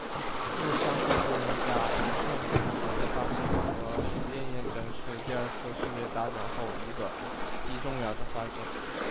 弱相互作用下宇称不守恒的发现和实验验证是第二次世界大战后一个极重要的发现。